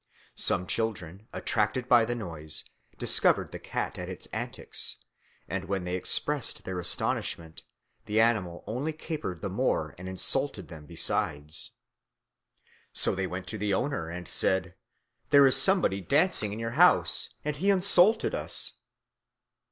Some children, attracted by the noise, discovered the cat at its antics, and when they expressed their astonishment, the animal only capered the more and insulted them besides. So they went to the owner and said, "There is somebody dancing in your house, and he insulted us."